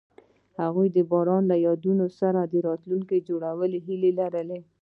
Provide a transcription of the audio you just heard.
هغوی د باران له یادونو سره راتلونکی جوړولو هیله لرله.